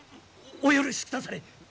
おお許しくだされ。